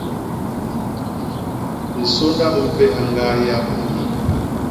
Bisônda bi mpéha ñgaa yap i ñgii.